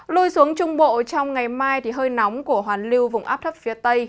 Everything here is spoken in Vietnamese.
lui xuống trung bộ trong ngày mai hơi nóng của hoàn lưu vùng áp thấp phía tây